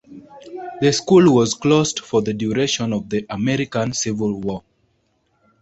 The school was closed for the duration of the American Civil War.